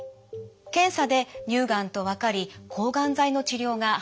「検査で乳がんと分かり抗がん剤の治療が始まりました。